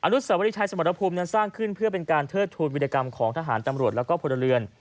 นุสวรีชัยสมรภูมินั้นสร้างขึ้นเพื่อเป็นการเทิดทูลวิทยากรรมของทหารตำรวจแล้วก็พลเรือน